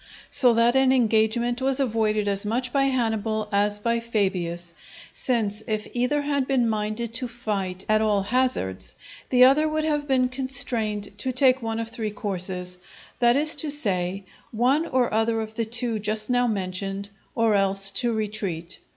So that an engagement was avoided as much by Hannibal as by Fabius, since if either had been minded to fight at all hazards the other would have been constrained to take one of three courses, that is to say, one or other of the two just now mentioned, or else to retreat.